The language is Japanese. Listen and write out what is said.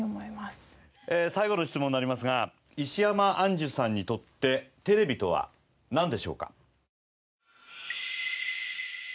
最後の質問になりますが石山アンジュさんにとってテレビとはなんでしょうか？